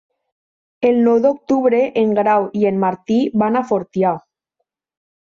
El nou d'octubre en Grau i en Martí van a Fortià.